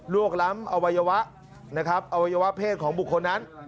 ลวกล้ำอวัยวะแพศของบุคคลนั้น